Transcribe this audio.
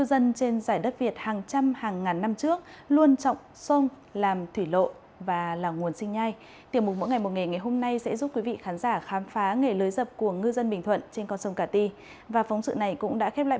xin chào và hẹn gặp lại các bạn trong những video tiếp theo